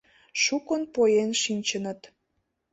Шукын поен шинчыныт.